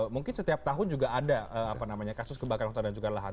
mungkin setiap tahun juga ada kasus kebakaran hutan dan juga lahan